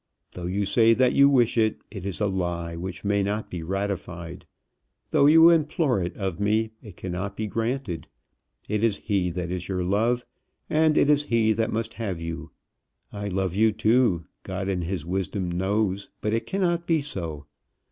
Though you say that you wish it, it is a lie which may not be ratified. Though you implore it of me, it cannot be granted. It is he that is your love, and it is he that must have you. I love you too, God in his wisdom knows, but it cannot be so.